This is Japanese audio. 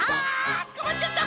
あつかまっちゃった！